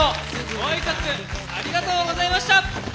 ご挨拶ありがとうございました！